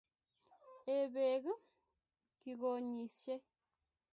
Ee beek kigonyishei